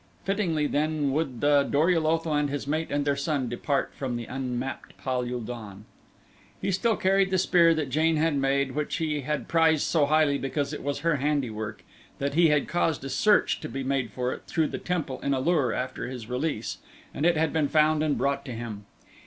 Fittingly then would the Dor ul Otho and his mate and their son depart from unmapped Pal ul don. He still carried the spear that Jane had made, which he had prized so highly because it was her handiwork that he had caused a search to be made for it through the temple in A lur after his release, and it had been found and brought to him.